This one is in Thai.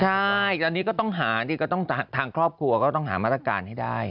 ใช่ตอนนี้ก็ต้องหาทางครอบครัวก็ต้องหามาตรการให้ได้